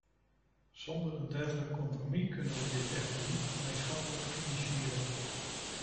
Zonder een dergelijk compromis kunnen we dit echter niet gemeenschappelijk financieren.